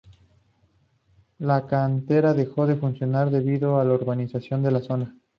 La cantera dejó de funcionar debido a la urbanización de la zona.